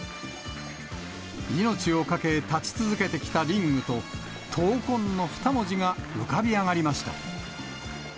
命を懸け立ち続けてきたリングと、闘魂の２文字が浮かび上がりました。